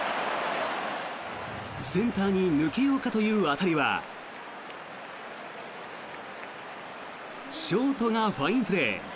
センターに抜けようかという当たりはショートがファインプレー。